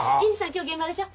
今日現場でしょ。